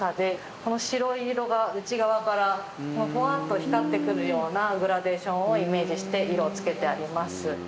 この白色が内側からほわっと光って来るようなグラデーションをイメージして色を付けてあります。